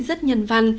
rất nhân văn